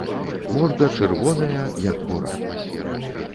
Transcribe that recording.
Морда чырвоная, як бурак.